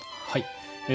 はい。